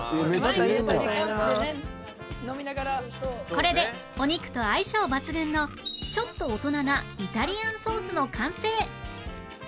これでお肉と相性抜群のちょっと大人なイタリアンソースの完成